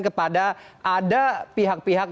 kepada ada pihak pihak